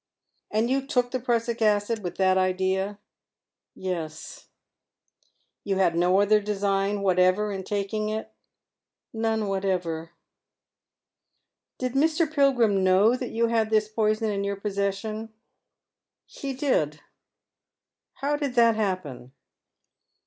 " And you took the prussic acid witk that h^'^.'^^ " Yea." 87ft D.^ Men's Shoes. " You had no other design whatever in taking it ?*" None whatever." "Did Mr. Pilgrim know that you had this poison in yoai possession ?"" He did." " How did that happen